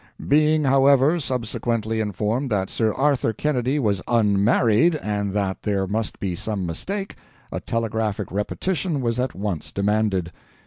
Being, however, subsequently informed that Sir Arthur Kennedy was unmarried and that there must be some mistake, a telegraphic repetition was at once demanded.